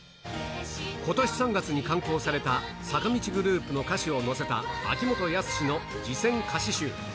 ことし３月に刊行された、坂道グループの歌詞を載せた、秋元康の自選歌詞集。